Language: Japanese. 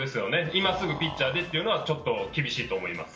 今すぐピッチャーでというのは、ちょっと厳しいと思います。